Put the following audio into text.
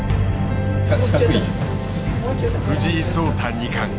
藤井聡太二冠。